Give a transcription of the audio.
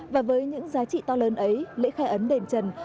và với những giá trị to lớn ấy lễ khai ấn đền trần đã trở thành một tập quả